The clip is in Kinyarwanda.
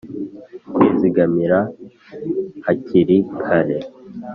kwizigamira hakiri kare.